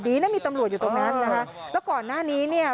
ดีนะมีตำรวจอยู่ตรงนั้นนะคะแล้วก่อนหน้านี้เนี่ย